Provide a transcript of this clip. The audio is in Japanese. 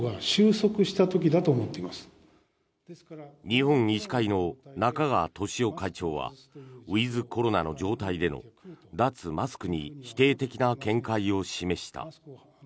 日本医師会の中川俊男会長はウィズコロナの状態での脱マスクに否定的な見解を示した。